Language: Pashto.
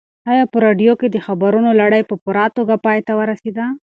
ایا په راډیو کې د خبرونو لړۍ په پوره توګه پای ته ورسېده؟